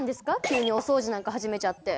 急にお掃除なんか始めちゃって。